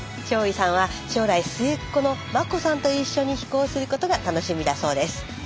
将唯さんは将来末っ子の真さんと一緒に飛行することが楽しみだそうです。